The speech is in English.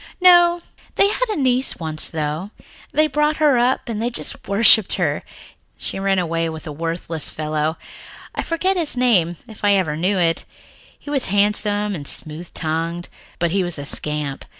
"No. They had a niece once, though. They brought her up and they just worshipped her. She ran away with a worthless fellow I forget his name, if I ever knew it. He was handsome and smooth tongued, but he was a scamp.